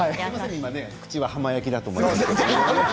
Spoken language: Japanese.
今、口が浜焼きだと思いますけど。